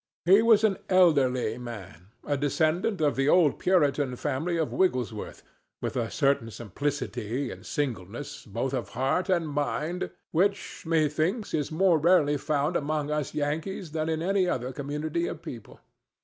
He was an elderly man, a descendant of the old Puritan family of Wigglesworth, with a certain simplicity and singleness both of heart and mind which, methinks, is more rarely found among us Yankees than in any other community of people.